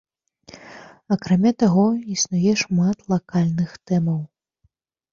Акрамя таго, існуе шмат лакальных тэмаў.